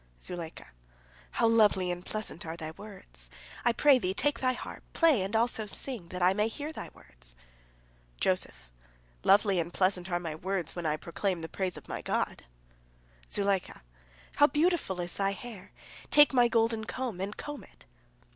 Zuleika: "How lovely and pleasant are thy words! I pray thee, take thy harp, play and also sing, that I may hear thy words." Joseph: "Lovely and pleasant are my words when I proclaim the praise of my God." Zuleika: "How beautiful is thy hair! Take my golden comb, and comb it."